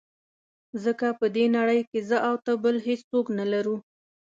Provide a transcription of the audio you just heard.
ځکه په دې نړۍ کې زه او ته بل هېڅوک نه لرو.